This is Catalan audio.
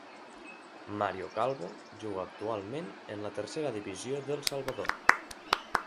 Mario Calvo juga actualment en la tercera divisió d'El Salvador.